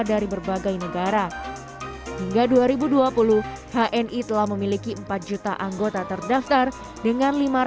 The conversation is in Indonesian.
dari berbagai negara hingga dua ribu dua puluh hni telah memiliki empat juta anggota terdaftar dengan